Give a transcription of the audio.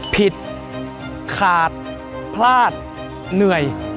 ผิดขาดพลาดเหนื่อย